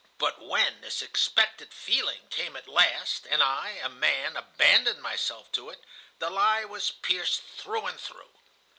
But when this expected feeling came at last, and I, a man, abandoned myself to it, the lie was pierced through and through.